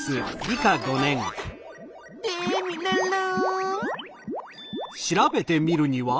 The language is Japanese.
テミルンルン！